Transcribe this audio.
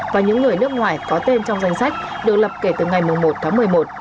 và những người nước ngoài có tên trong danh sách được lập kể từ ngày một tháng một mươi một